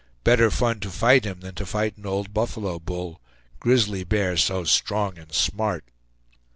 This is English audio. Better fun to fight him than to fight an old buffalo bull; grizzly bear so strong and smart."